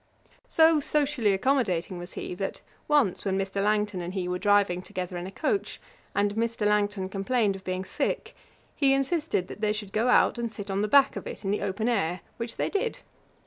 So socially accommodating was he, that once when Mr. Langton and he were driving together in a coach, and Mr. Langton complained of being sick, he insisted that they should go out and sit on the back of it in the open air, which they did.